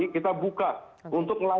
kita buka untuk